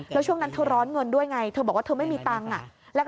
แล้วช่วงนั้นเธอร้อนเงินด้วยไงเธอบอกว่าเธอไม่มีตังค์